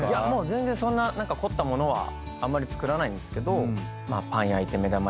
全然そんな凝った物はあんまり作らないんですけど。